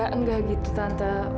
enggak gitu tante